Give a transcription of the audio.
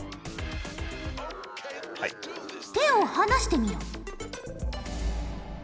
手を離してみよ。